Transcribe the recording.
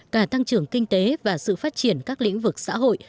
cả tăng trưởng kinh tế và sự phát triển các lĩnh vực xã hội